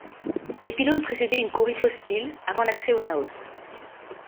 Ces pylônes précédaient une cour hypostyle, avant l’accès au naos.